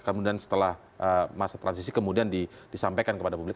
kemudian setelah masa transisi kemudian disampaikan kepada publik